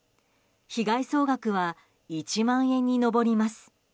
被害総額は１万円に上ります。